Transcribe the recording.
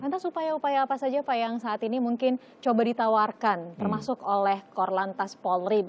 lantas upaya upaya apa saja pak yang saat ini mungkin coba ditawarkan termasuk oleh korlantas polri